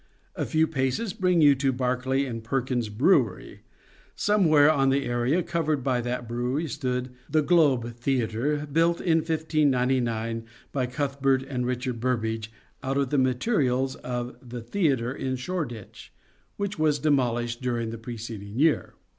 A few paces bring you to Barclay and Perkins' Brewery. Somewhere on the area covered by that brewery stood " The Globe " Theatre, built in 1599 by Cuthbert and Richard Burbage out of the materials of The Theatre in Shoreditch, which was demolished during the preceding year.